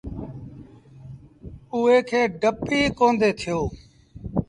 اُئي کي ڊپ ئيٚ ڪوندي ٿيو۔